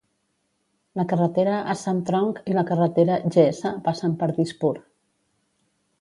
La carretera Assam Trunk i la carretera G S passen per Dispur.